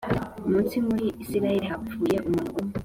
munsi muri Isirayeli hapfuye umuntu umwe